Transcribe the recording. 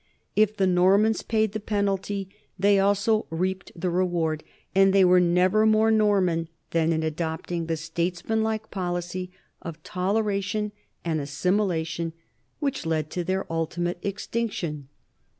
If the Nor mans paid the penalty, they also reaped the reward, and they were never more Norman than in adopting the statesmanlike policy of toleration and assimilation which led to their ultimate extinction.